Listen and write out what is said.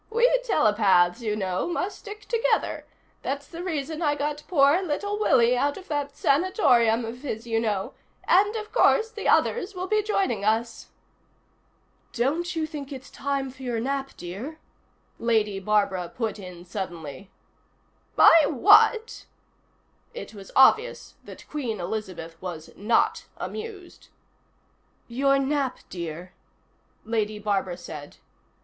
"We telepaths, you know, must stick together. That's the reason I got poor little Willie out of that sanatorium of his, you know and, of course, the others will be joining us." "Don't you think it's time for your nap, dear?" Lady Barbara put in suddenly. "My what?" It was obvious that Queen Elizabeth was Not Amused. "Your nap, dear," Lady Barbara said.